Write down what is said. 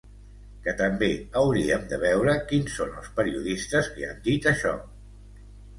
Que també hauríem de veure quins són els periodistes que han dit això.